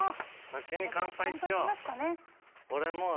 ◆先に乾杯しよう。